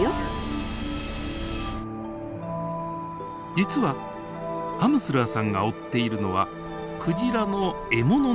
実はアムスラーさんが追っているのはクジラの獲物の方。